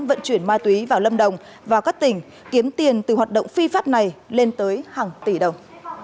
vận chuyển ma túy vào lâm đồng vào các tỉnh kiếm tiền từ hoạt động phi pháp này lên tới hàng tỷ đồng